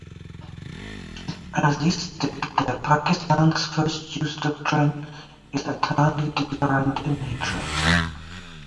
Aziz stated that Pakistan's first use doctrine is entirely deterrent in nature.